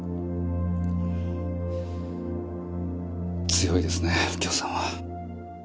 強いですね右京さんは。